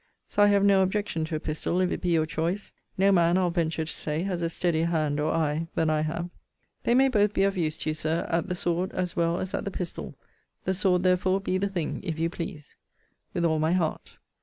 So I have no objection to a pistol, if it be your choice. No man, I'll venture to say, has a steadier hand or eye than I have. They may both be of use to you, Sir, at the sword, as well as at the pistol: the sword, therefore, be the thing, if you please. With all my heart.